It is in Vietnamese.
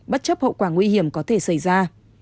bất chấp hậu quả nguy hiểm có thể xảy ra